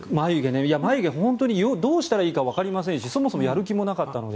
眉毛どうしたらいいかわからないしそもそもやる気もなかったので。